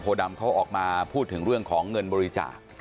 ดำเขาออกมาพูดถึงเรื่องของเงินบริจาค